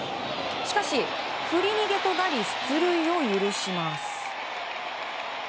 しかし、振り逃げとなり出塁を許します。